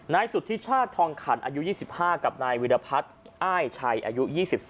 นายสุธิชาติทองขันอายุ๒๕กับนายวิรพัฒน์อ้ายชัยอายุ๒๒